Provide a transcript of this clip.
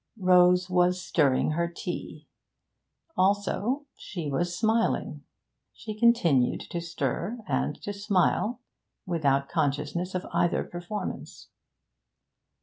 Rose was stirring her tea; also she was smiling. She continued to stir and to smile, without consciousness of either performance.